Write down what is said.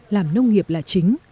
làm nông nghiệp là chính